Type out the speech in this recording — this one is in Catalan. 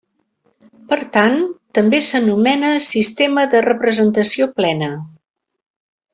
Per tant, també s'anomena sistema de representació plena.